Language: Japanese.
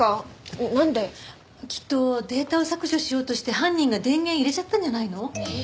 きっとデータを削除しようとして犯人が電源入れちゃったんじゃないの？